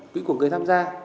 quỹ của người tham gia